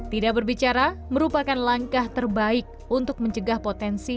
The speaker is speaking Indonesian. tidak berbicara merupakan langkah terbaik untuk mencegah potensi